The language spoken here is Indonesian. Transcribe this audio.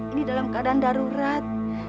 ini dalam keadaan darurat